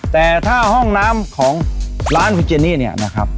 แต่ถ้าห้องน้ำของร้านวิเจนี่เนี่ยนะครับ